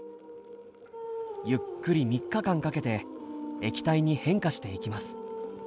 ゆっくり３日間かけて液体に変化していきます。